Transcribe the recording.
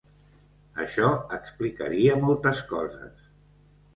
Això explicaria moltes coses.